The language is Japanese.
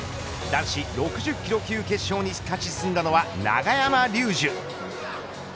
男子６０キロ級決勝に勝ち進んだのは永山竜樹。